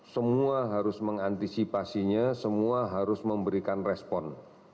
semua harus mengantisipasinya semua harus memberikan respon